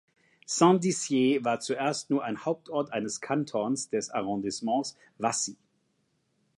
Saint-Dizier war zuerst nur ein Hauptort eines Kantons des Arrondissements Wassy.